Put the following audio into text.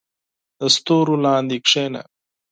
• د ستورو لاندې کښېنه.